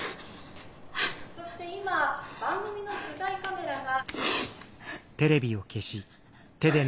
そして今番組の取材カメラが」。